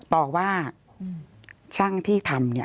ต่อว่าช่างที่ทำเนี่ย